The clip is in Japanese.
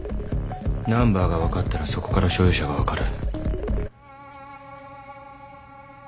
ナンバーが分かったらそこから所有者が分かる。